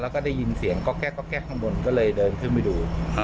แล้วก็ได้ยินเสียงก๊อกแก๊กข้างบนก็เลยเดินขึ้นไปดู